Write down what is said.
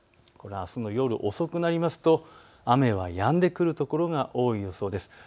あすの夜遅くなりますと雨はやんでくるところが多いです。